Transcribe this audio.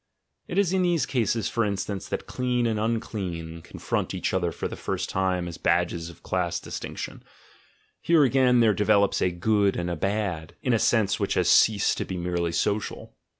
It is in these cases, for instances, that "dean" and "unclean" confront each other for the first time as badges of class distinction; here again there develops a "good" and a "bad," in a sense which has ceased to be merely social.